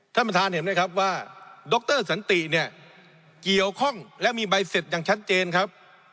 ท่านประธานเห็นไหมครับว่าดรสันติเนี่ยเกี่ยวข้องและมีใบเสร็จอย่างชัดเจนครับ